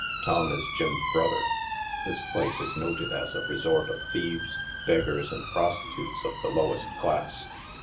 Tom is Jim's brother. This place is noted as a resort of thieves, beggars and prostitutes of the lowest class.